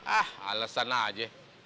ah alasan aja